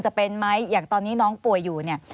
จะเป็นไหมอย่างตอนนี้น้องป่วยอยู่เนี่ย